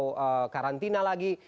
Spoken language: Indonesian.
atau karantina lagi